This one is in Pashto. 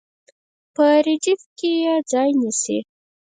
په ردیف کې یې ځای نیسي.